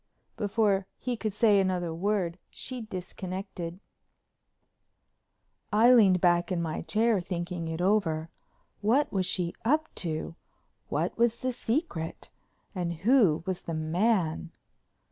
Before he could say another word she'd disconnected. I leaned back in my chair thinking it over. What was she up to? What was the secret? And who was the man?